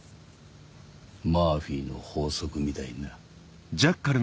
マーフィーの法則みたいにな。